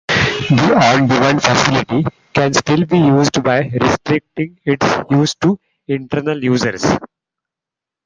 The on-demand facility can still be used by restricting its use to internal users.